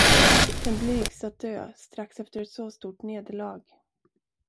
Den blygs att dö strax efter ett så stort nederlag.